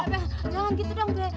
ben jangan gitu dong be